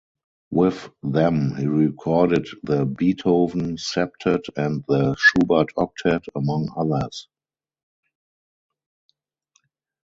With them he recorded the "Beethoven Septet" and the "Schubert Octet" among others.